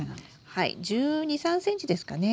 はい１２１３ｃｍですかね。